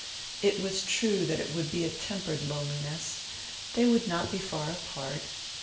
It was true that it would be a tempered loneliness. They would not be far apart.